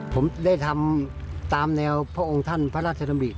ผมได้ทำตามแนวพระองค์ท่านพระราชดำริ